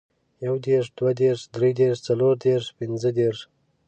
يو دېرش، دوه دېرش، دري دېرش ، څلور دېرش، پنځه دېرش،